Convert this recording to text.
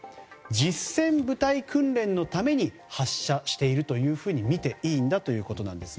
実戦部隊訓練のために発射しているというふうにみていいんだということです。